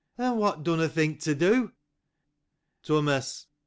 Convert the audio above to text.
— And what do you think to do ? Thomas.